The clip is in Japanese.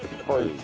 はい。